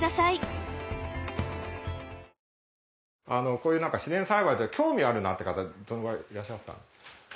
こういうなんか自然栽培って興味あるなって方どのぐらいいらっしゃいますか？